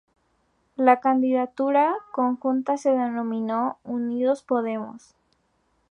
La candidatura conjunta se denominó Unidos Podemos.